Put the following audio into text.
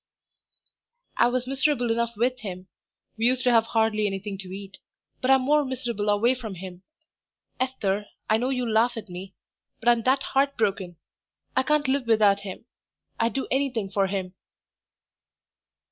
"I was miserable enough with him; we used to have hardly anything to eat; but I'm more miserable away from him. Esther, I know you'll laugh at me, but I'm that heart broken... I can't live without him... I'd do anything for him."